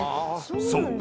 ［そう。